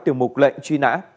tiểu mục lệnh truy nã